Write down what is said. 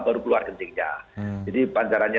baru keluar kencingnya jadi pancarannya